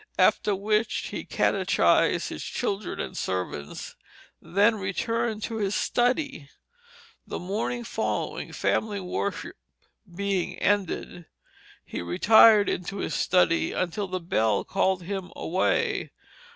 After which he catechized his children and servants, and then returned to his study. The morning following, family worship being ended, he retired into his study until the bell called him away.